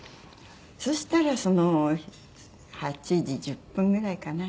そしたらその８時１０分ぐらいかな。